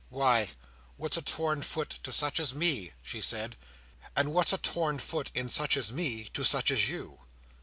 "Why, what's a torn foot to such as me?" she said. "And what's a torn foot in such as me, to such as you?"